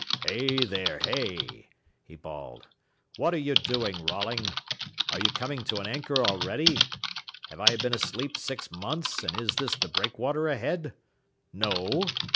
"Hey, there, hey!" he bawled. "What are you doing, Rolling? Are you coming to an anchor already? Have I been asleep six months, and is this the Breakwater ahead? No?